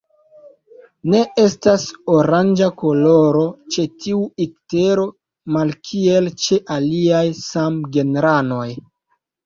Ne estas oranĝa koloro ĉe tiu iktero, malkiel ĉe aliaj samgenranoj.